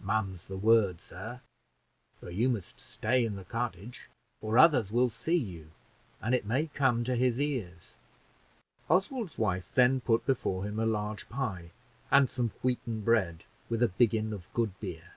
"Mum's the word, sir; but you must stay in the cottage, or others will see you, and it may come to his ears." Oswald's wife then put before him a large pie, and some wheaten bread, with a biggin of good beer.